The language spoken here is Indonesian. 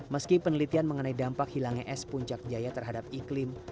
meski penelitian mengenai dampak hilangnya es puncak jaya terhadap iklim